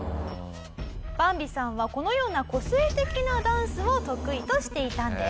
バンビさんはこのような個性的なダンスを得意としていたんです。